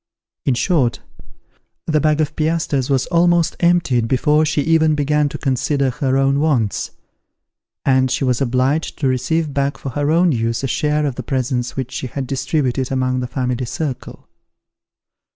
In short, the bag of piastres was almost emptied before she even began to consider her own wants; and she was obliged to receive back for her own use a share of the presents which she had distributed among the family circle.